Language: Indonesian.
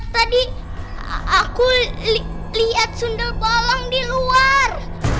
tadi aku lihat sunda bolong di luar